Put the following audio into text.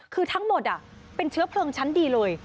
คือทั้งหมดเป็นเชื้อเพลิงชั้นดีเลย